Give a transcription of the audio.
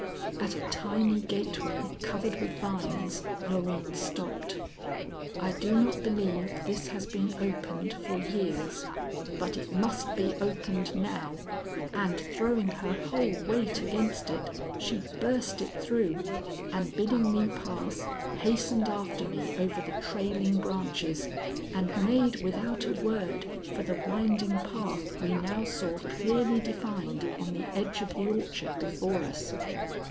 At a tiny gateway covered with vines, Loreen stopped. "I do not believe this has been opened for years, but it must be opened now." And, throwing her whole weight against it, she burst it through, and bidding me pass, hastened after me over the trailing branches and made, without a word, for the winding path we now saw clearly defined on the edge of the orchard before us.